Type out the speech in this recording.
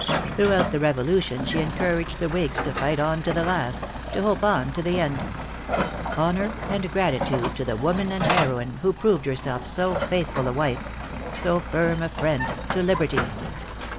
Throughout the Revolution she encouraged the whigs to fight on to the last; to hope on to the end. Honor and gratitude to the woman and heroine, who proved herself so faithful a wife so firm a friend to liberty!"